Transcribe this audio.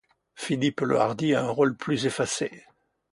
Philippe le Hardi a un rôle plus effacé.